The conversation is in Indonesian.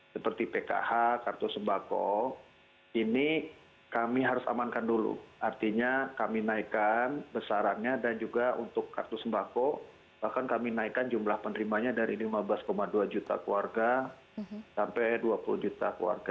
seperti pkh kartu sembako ini kami harus amankan dulu artinya kami naikkan besarannya dan juga untuk kartu sembako bahkan kami naikkan jumlah penerimanya dari lima belas dua juta keluarga sampai dua puluh juta keluarga